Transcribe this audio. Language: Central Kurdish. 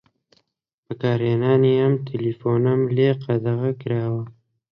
بەکارهێنانی ئەم تەلەفۆنەم لێ قەدەغە کراوە.